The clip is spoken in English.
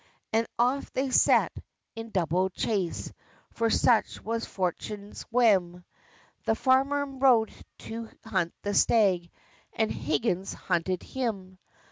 And off they set, in double chase, For such was fortune's whim, The farmer rode to hunt the stag, And Huggins hunted him!